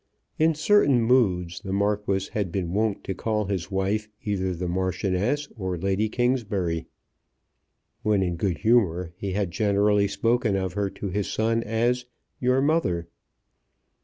In certain moods the Marquis had been wont to call his wife either the Marchioness or Lady Kingsbury. When in good humour he had generally spoken of her to his son as "your mother."